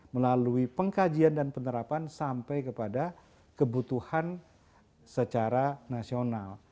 melalui pengkajian dan penerapan sampai kepada kebutuhan secara nasional